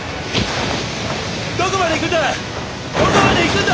どこまで行くんだ！